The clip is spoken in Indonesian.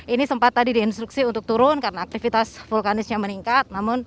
ini sempat tadi diinstruksi untuk turun karena aktivitas vulkanisnya meningkat